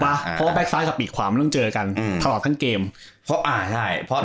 อ่ะเพราะว่าแก๊กซ้ายกับปีกขวามันต้องเจอกันอืมตลอดทั้งเกมเพราะอ่าใช่เพราะ